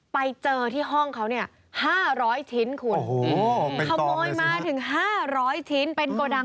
ไปเจอที่ห้องเขา๕๐๐ชิ้นคุณ